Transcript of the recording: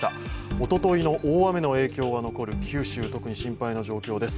おとといの大雨の影響が残る九州、特に心配の状況です。